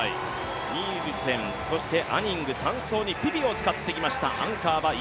ニールセン、そしてアニング３走にピピを使ってきました。